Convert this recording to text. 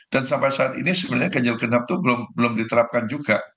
dan sampai saat ini sebenarnya kejel kenap itu belum diterapkan juga